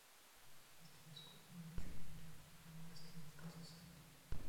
Das Theleskop war eine Spende der Kopernik Astronomical Society.